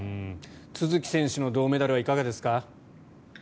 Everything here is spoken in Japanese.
都筑選手の銅メダルはいかがですか。